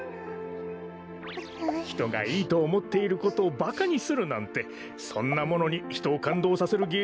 ひとがいいとおもっていることをばかにするなんてそんなものにひとをかんどうさせるげいじゅつさくひんはつくれないダロ？